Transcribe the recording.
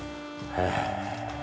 へえ。